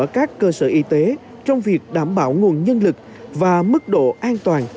các cơ sở y tế trong việc đảm bảo nguồn nhân lực và mức độ an toàn